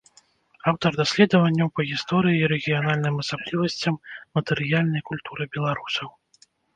Аўтар даследаванняў па гісторыі і рэгіянальным асаблівасцям матэрыяльнай культуры беларусаў.